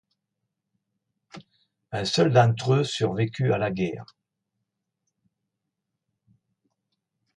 Un seul d'entre eux survécut à la guerre.